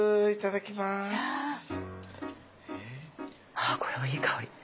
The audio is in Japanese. あこれもいい香り。